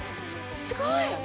すごい。